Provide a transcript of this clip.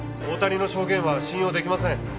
大谷の証言は信用出来ません。